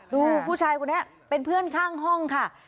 ดูผู้ชายคนนี้เป็นเพื่อนข้างห้องค่ะ